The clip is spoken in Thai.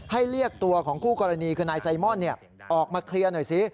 เรียกตัวของคู่กรณีคือนายไซมอนออกมาเคลียร์หน่อยสิ